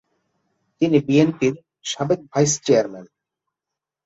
তিনি বিএনপির সাবেক ভাইস চেয়ারম্যান।